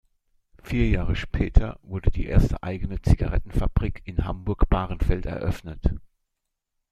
Vier Jahre später wurde die erste eigene Zigarettenfabrik in Hamburg-Bahrenfeld eröffnet.